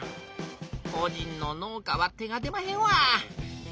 こじんの農家は手が出まへんわ。